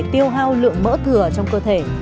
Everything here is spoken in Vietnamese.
tiêu hao lượng mỡ thừa trong cơ thể